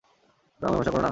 তো, আমায় ভরসা করো না?